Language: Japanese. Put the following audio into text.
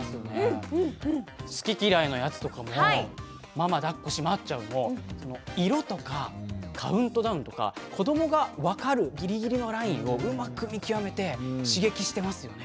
「ママだっこ閉まっちゃう！」も色とかカウントダウンとか子どもが分かるギリギリのラインをうまく見極めて刺激してますよね。